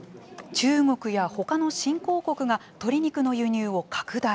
中国や他の新興国が鶏肉の輸入を拡大。